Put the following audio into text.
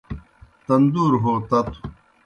تندور ہو تتوْ